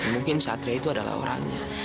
mungkin satria itu adalah orangnya